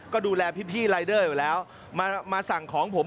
ก็ดูแลพี่รายเดอร์อยู่แล้วมาสั่งของผม